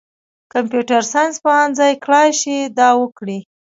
کمپیوټر ساینس پوهنځۍ کړای شي دا وکړي.